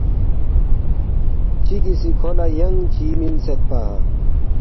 چِگی سی کھو لہ ینگ چی مِنسیدپا